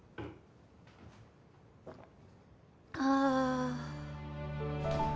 ああ。